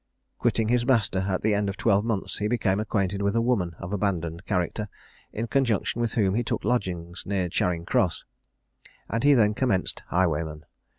Quitting his master at the end of twelve months, he became acquainted with a woman of abandoned character, in conjunction with whom he took lodgings near Charing Cross, and he then commenced highwayman.